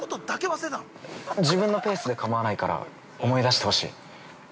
自分のペースで構わないから思い出してほしい。